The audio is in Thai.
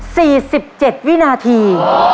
สิบเจ็ดวินาที